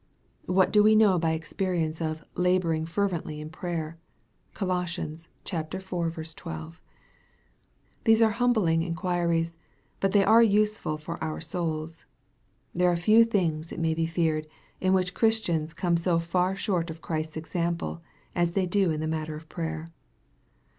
What do we know by experience, of "labor ing fervently in prayer ?" (Col. iv. 12.) These are humbling inquiries, but they are useful for our souls. There are few things, it may be feared, in which Chris tians come so far short of Christ's example, as they do in the matter of prayer.